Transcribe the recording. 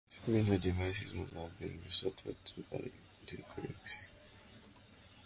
Similar devices must have been resorted to by the Greeks.